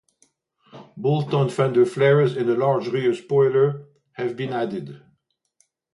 Bolt-on fender flares and a large rear spoiler have been added.